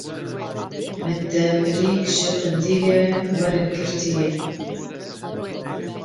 Min ti pereyek ji Qenddîlê wernegirtiye.